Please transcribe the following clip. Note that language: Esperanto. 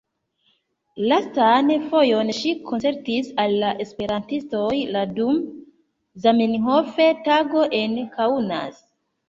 Lastan fojon ŝi koncertis al la esperantistoj la dum Zamenhofa Tago en Kaunas.